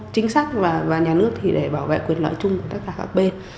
chính sách và nhà nước thì để bảo vệ quyền lợi chung của tất cả các bên